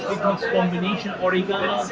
dan banyak banyak yang ada di dalamnya